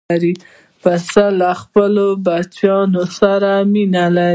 پسه له خپلو بچیانو سره مینه لري.